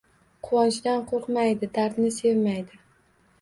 Quvonchdan qo’rqmaydi, dardni sevmaydi.